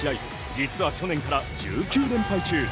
実は去年から１９連敗中。